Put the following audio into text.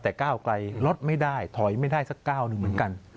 แต่ก้าวไกลลดไม่ได้ถอยไม่ได้สักก้าวหนึ่งเหมือนกัน